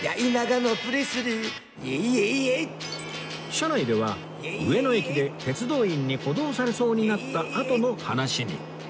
車内では上野駅で鉄道員に補導されそうになったあとの話に